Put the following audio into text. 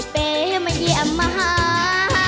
เป๋มาเยี่ยมมาหา